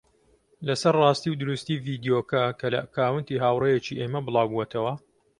لەسەر ڕاستی و دروستی ڤیدیۆکە کە لە ئەکاونتی هاوڕێیەکی ئێمە بڵاوبووەتەوە